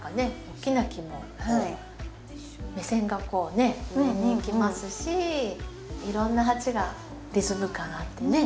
大きな木も目線がこうね上に行きますしいろんな鉢がリズム感あってね